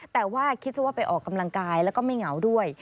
แต่ว่าคิดซะว่าไปออกกำลังกายแล้วก็ไม่เหงาด้วย